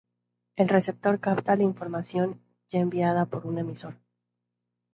El receptor capta la información ya enviada por un emisor.